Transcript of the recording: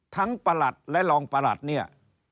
ประหลัดและรองประหลัดเนี่ย